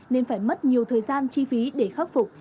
nên phải mất nhiều thời gian chi phí để khắc phục